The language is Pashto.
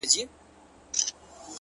o كله توري سي ـ